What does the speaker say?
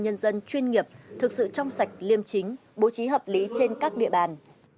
nhân dân chuyên nghiệp thực sự trong sạch liêm chính bố trí hợp lý trên các địa bàn